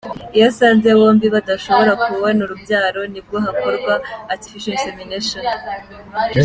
Iyo asanze bombi badashobora kubona urubyaro ni bwo hakorwa “Artificial Insemination”.